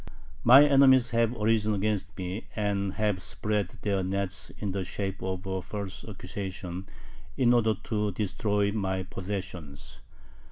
My enemies have arisen against me, and have spread their nets in the shape of a false accusation in order to destroy my possessions.